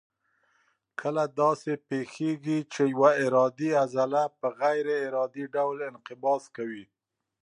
کله داسې پېښېږي چې یوه ارادي عضله په غیر ارادي ډول انقباض کوي.